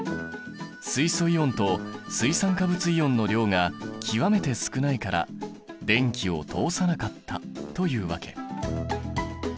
水素イオンと水酸化物イオンの量が極めて少ないから電気を通さなかったというわけ。